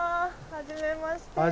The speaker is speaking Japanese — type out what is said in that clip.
はじめまして。